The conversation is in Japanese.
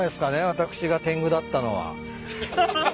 私がてんぐだったのは。